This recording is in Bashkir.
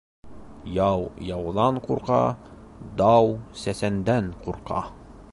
Яу яуҙан ҡурҡа, дау сәсәндән ҡурҡа.